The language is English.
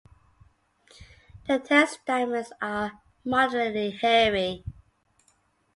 The ten stamens are moderately hairy.